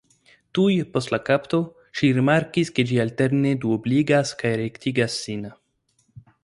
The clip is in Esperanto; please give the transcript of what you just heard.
Tuj post la kapto ŝi rimarkis ke ĝi alterne duobligas kaj rektigas sin.